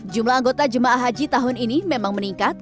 jumlah anggota jemaah haji tahun ini memang meningkat